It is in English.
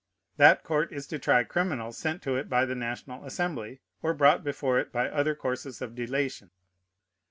That court is to try criminals sent to it by the National Assembly, or brought before it by other courses of delation.